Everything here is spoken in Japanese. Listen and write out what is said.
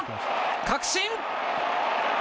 確信。